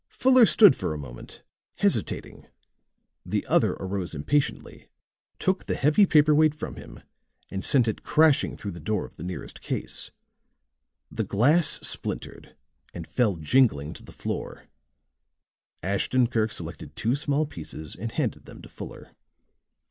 Fuller stood a moment, hesitating; the other arose impatiently, took the heavy paper weight from him and sent it crashing through the door of the nearest case. The glass splintered and fell jingling to the floor; Ashton Kirk selected two small pieces and handed them to Fuller.